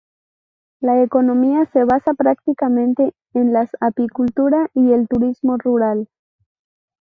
La economía se basa prácticamente en las apicultura y el turismo rural.